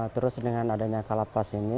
terus dengan adanya kalapas ini